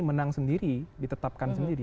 menang sendiri ditetapkan sendiri